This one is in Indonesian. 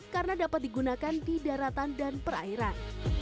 karena dapat digunakan di daratan dan perairan